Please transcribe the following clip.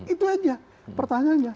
itu saja pertanyaannya